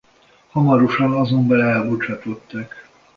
Hamarosan azonban elbocsátották.